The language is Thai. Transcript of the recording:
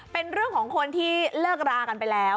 เป็นเรื่องของคนที่เลิกรากันไปแล้ว